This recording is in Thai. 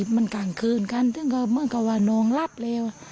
มันกลางคืนกันซึ่งก็เหมือนกับว่าน้องรับแล้ว